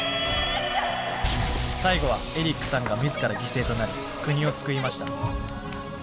最後はエリックさんが自ら犠牲となり国を救いました。